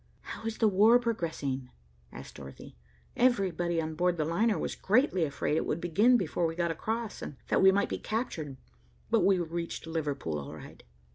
"How is the war progressing?" asked Dorothy. "Everybody on board the liner was greatly afraid it would begin before we got across, and that we might be captured, but we reached Liverpool all right."